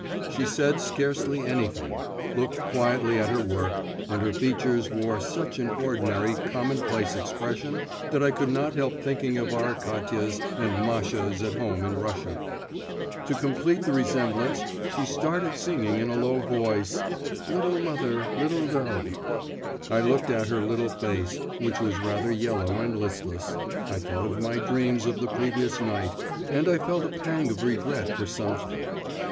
She said scarcely anything, looked quietly at her work, and her features wore such an ordinary, commonplace expression, that I could not help thinking of our Katias and Mashas at home in Russia. To complete the resemblance she started singing in a low voice, 'Little mother, little dove.' I looked at her little face, which was rather yellow and listless, I thought of my dreams of the previous night, and I felt a pang of regret for something.